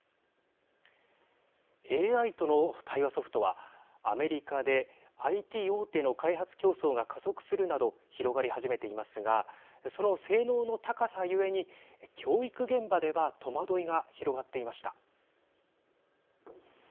ＡＩとの対話ソフトはアメリカでＩＴ大手の開発競争が加速するなど広がり始めていますがその性能の高さゆえに教育現場では戸惑いが広がっていました。